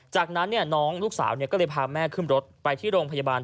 จากนั้นน้องลูกสาวก็เลยพาแม่ขึ้นรถไปที่โรงพยาบาล